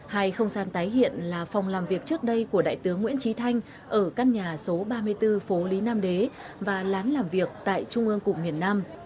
hai không gian tái hiện là phòng làm việc trước đây của đại tướng nguyễn trí thanh ở căn nhà số ba mươi bốn phố lý nam đế và lán làm việc tại trung ương cục miền nam